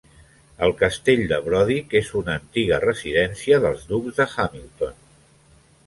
El castell de Brodick és una antiga residència dels ducs de Hamilton.